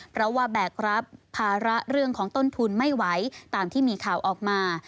เพราะว่าแบกรับภาระเรื่องของต้นทุนไม่ไหวตามที่มีข่าวออกมา